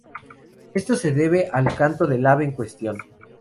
Esto se debe al canto del ave en cuestión.